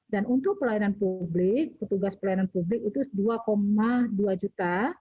dan untuk pelayanan publik petugas pelayanan publik itu dua dua juta